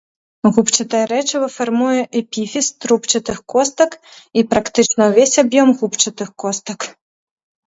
Губчатае рэчыва фармуе эпіфіз трубчастых костак і практычна ўвесь аб'ём губчатых костак.